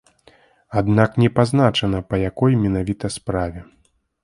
Аднак не пазначана па якой менавіта справе.